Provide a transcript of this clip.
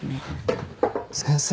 先生